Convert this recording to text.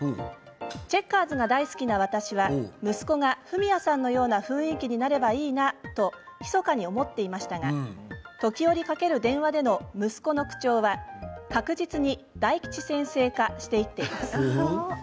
チェッカーズが大好きな私は息子がフミヤさんのような雰囲気になればいいなとひそかに思っていましたが時折かける電話での息子の口調は確実に大吉先生化しています。